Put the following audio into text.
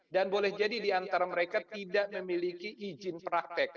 dan boleh jadi di antara mereka tidak memiliki izin praktek